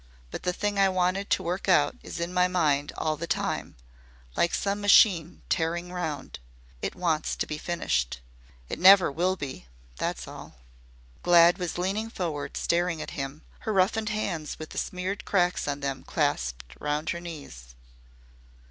But the thing I wanted to work out is in my mind all the time like some machine tearing round. It wants to be finished. It never will be. That's all." Glad was leaning forward staring at him, her roughened hands with the smeared cracks on them clasped round her knees.